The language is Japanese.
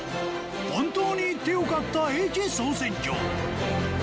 本当に行ってよかった駅総選挙』。